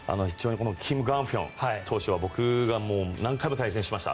キム・グァンヒョン投手は僕は何回も対戦しました。